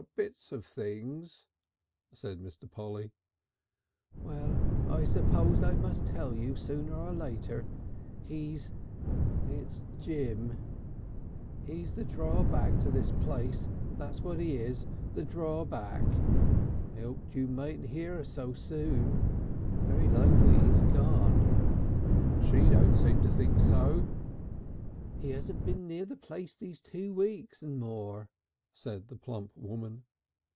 "Bits of things," said Mr. Polly. "Well, I suppose I must tell you sooner or later. He's . It's Jim. He's the Drorback to this place, that's what he is. The Drorback. I hoped you mightn't hear so soon.... Very likely he's gone." "She don't seem to think so." "'E 'asn't been near the place these two weeks and more," said the plump woman.